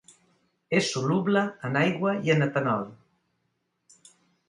És soluble en aigua i en etanol.